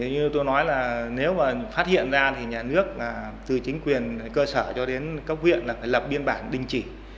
như tôi nói là nếu mà phát hiện ra thì nhà nước là từ chính quyền cơ sở cho đến cấp huyện là phải lập biên bản đình chỉ